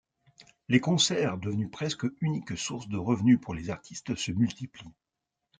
Les concerts, devenus presque unique source de revenus pour les artistes, se multiplient.